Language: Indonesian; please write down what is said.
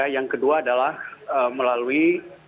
yang kedua adalah melalui